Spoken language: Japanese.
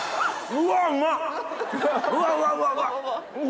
うわうまっ！